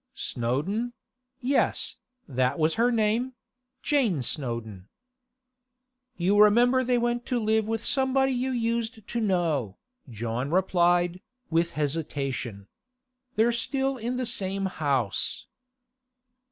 Snowdon; yes, that was her name; Jane Snowdon.' 'You remember they went to live with somebody you used to know,' John replied, with hesitation. 'They're still in the same house.